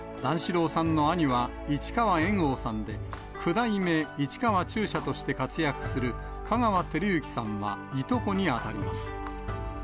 段四郎さんの兄は市川猿翁さんで、九代目市川中車として活躍する香川照之さんはいとこに当たります。